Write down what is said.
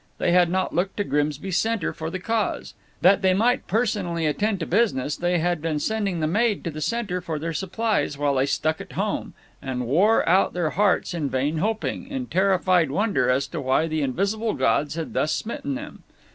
They had not looked to Grimsby Center for the cause. That they might personally attend to business they had been sending the maid to the Center for their supplies, while they stuck at home and wore out their hearts in vain hoping, in terrified wonder as to why the invisible gods had thus smitten them.